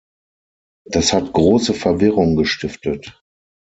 Das hat große Verwirrung gestiftet.